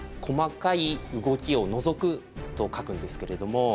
「細かい動きを除く」と書くんですけれども。